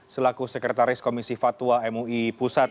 selaku sekretaris komisi fatwa mui pusat